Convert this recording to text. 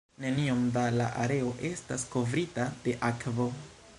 Neniom da la areo estas kovrita de akvo.